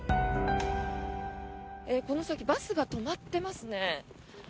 この先バスが止まっていますね。